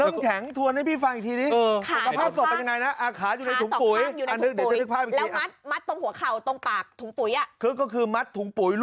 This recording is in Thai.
เริ่มแข็งทวนให้พี่ฟังอีกทีนี้ขาต่อข้างอยู่ในถุงปุ๋ย